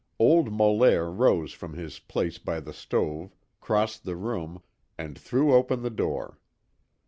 Old Molaire rose from his place by the stove, crossed the room, and threw open the door.